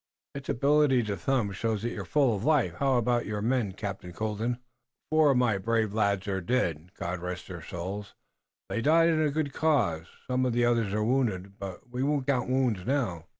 "Its ability to thump shows that you're full of life. How about your men, Captain Colden?" "Four of my brave lads are sped. God rest their souls! They died in a good cause. Some of the others are wounded, but we won't count wounds now."